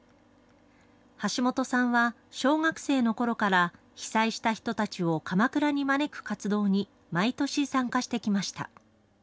橋本さんは小学生のころから、被災した人たちを鎌倉に招く活動に、毎年参加してきました。